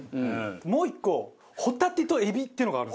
もう１個ほたてと海老っていうのがあるんですよ。